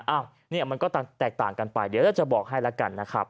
อ้าวเนี่ยมันก็แตกต่างกันไปเดี๋ยวเราจะบอกให้แล้วกันนะครับ